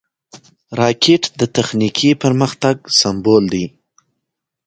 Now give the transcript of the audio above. راکټ د تخنیکي پرمختګ سمبول دی